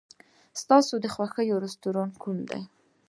ستا د خوښې رستورانت کوم دی؟